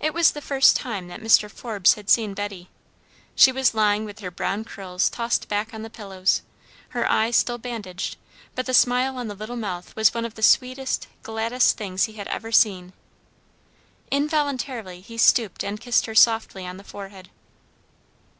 It was the first time that Mr. Forbes had seen Betty. She was lying with her brown curls tossed back on the pillows, her eyes still bandaged; but the smile on the little mouth was one of the sweetest, gladdest things he had ever seen. Involuntarily he stooped and kissed her softly on the forehead.